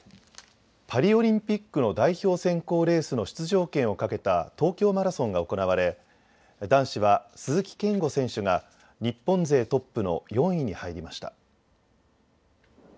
パリオリンピックの代表選考レースの出場権をかけた東京マラソンが行われ男子は鈴木健吾選手が日本勢トップの４位に入りました。